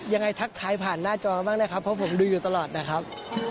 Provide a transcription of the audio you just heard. ทักทายผ่านหน้าจอบ้างนะครับเพราะผมดูอยู่ตลอดนะครับ